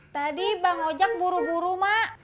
tadi bang ojek buru buru mak